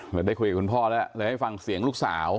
เหมือนได้คุยกับคุณพ่อแล้วเลยให้ฟังเสียงลูกสาว